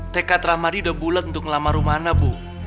tekad rahmadi udah bulet untuk ngelamar rumana bu